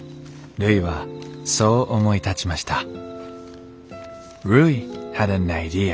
るいはそう思い立ちました。